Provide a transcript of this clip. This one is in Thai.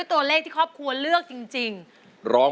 แผนที่๓ที่คุณนุ้ยเลือกออกมานะครับ